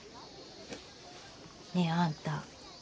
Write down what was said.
ねえあんた